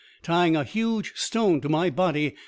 Tying a huge stone to my body.